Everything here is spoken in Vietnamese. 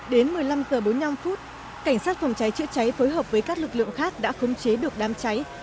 đến một mươi năm h bốn mươi năm cảnh sát phòng cháy chữa cháy phối hợp với các lực lượng khác đã khống chế được đám cháy